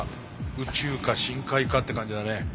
宇宙か深海かって感じだね。